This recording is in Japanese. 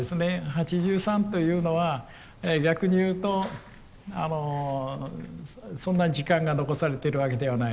８３というのは逆に言うとそんなに時間が残されているわけではない。